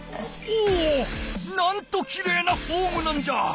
なんときれいなフォームなんじゃ。